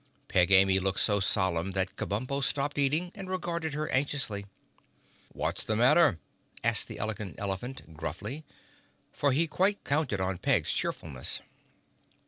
Peg Amy looked so solemn that Kabumpo stopped eating and regarded her anxiously. "What's the matter?" asked the Elegant Elephant gruffly, for he quite counted on Peg's cheerfulness.